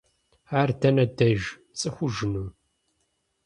Ар дэнэ деж? ПцӀыхужыну?